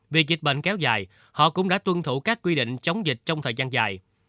vì dịch bệnh kéo dài họ cũng đã tuân thủ các quy định chống dịch trong thời gian dài